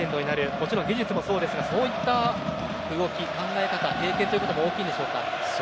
もちろん技術もそうですがそういった動き考え方、経験も大きいでしょうか。